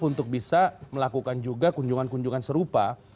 untuk bisa melakukan juga kunjungan kunjungan serupa